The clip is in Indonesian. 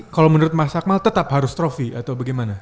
kalau menurut mas akmal tetap harus trofi atau bagaimana